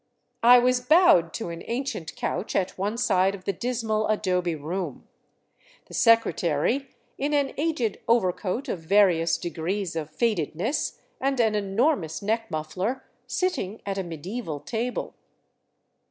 I was bowed to an ancient couch at one side of the dismal adobe room, the secretary, in an aged overcoat of various degrees of fadedness and an enormous neck muffler, sitting at a medieval table.